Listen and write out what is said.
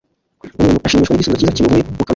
Umuntu ashimishwa n’igisubizo cyiza kimuvuye mu kanwa